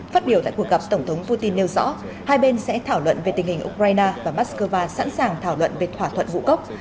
phát biểu tại cuộc gặp tổng thống putin nêu rõ hai bên sẽ thảo luận về tình hình ukraine và moscow sẵn sàng thảo luận về thỏa thuận ngũ cốc